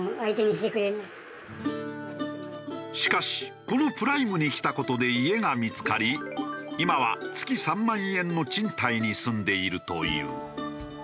しかしこのプライムに来た事で家が見付かり今は月３万円の賃貸に住んでいるという。